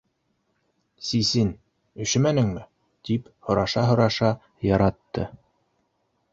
Сисен, өшөмәнеңме? — тип һораша-һораша яратты.